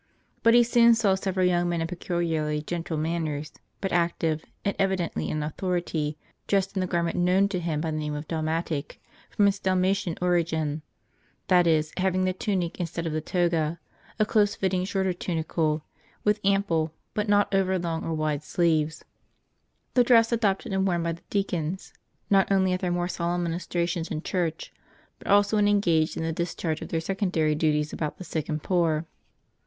But he soon saw several young men of peculiarly gentle man ners, but active, and evidently in authority, dressed in the garment known to him by the name of Dalmatic, from its Dal matian origin ; that is, having over the tunic, instead of the toga, a close fitting shorter tunicle, with ample, but not over long or wide sleeves ; the dress adopted and worn by the dea cons, not only at their more solemn ministrations in church, but also when engaged in the discharge of their secondary duties about the sick and poor.